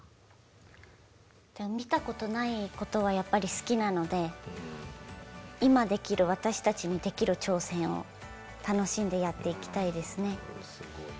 見たことないことはやっぱり好きなので今できる私たちにできる挑戦を楽しんでやっていきたいですね。